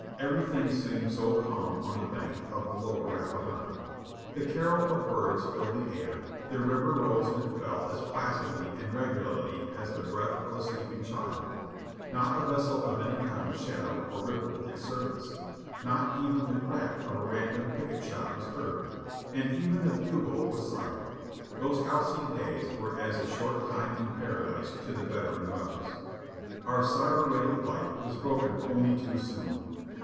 Everything seemed so calm on the banks of the lower Rappahannock. The carol of birds filled the air, the river rose and fell as placidly and regularly as the breath of a sleeping child; not a vessel of any kind shadowed or rippled its surface ; not even the crack of a random picket shot was heard, and even the bugle was silent ; those halcyon days were as a short time in paradise to the veteran Rebels. Our Sybaritic life was broken only too soon.